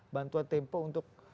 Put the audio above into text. bantuan tempo untuk